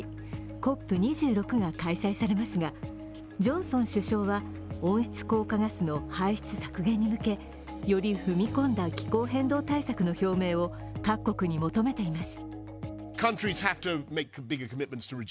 ＣＯＰ２６が開催されますがジョンソン首相は温室効果ガスの排出削減に向けより踏み込んだ気候変動対策の表明を各国に求めています。